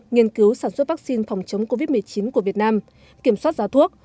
nghiên cứu sản xuất vaccine phòng chống covid một mươi chín của việt nam kiểm soát giá thuốc